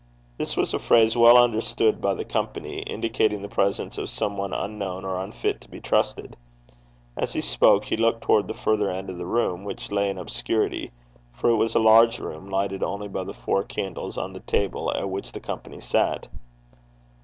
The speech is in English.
This was a phrase well understood by the company, indicating the presence of some one unknown, or unfit to be trusted. As he spoke he looked towards the farther end of the room, which lay in obscurity; for it was a large room, lighted only by the four candles on the table at which the company sat.